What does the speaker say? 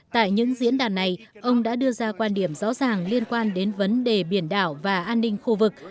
tại những diễn đàn này ông đã đưa ra quan điểm rõ ràng liên quan đến vấn đề biển đảo và an ninh khu vực